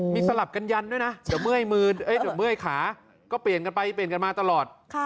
มีสลับกันยันด้วยนะเดี๋ยวเมื่อยขาก็เปลี่ยนกันมาตลอด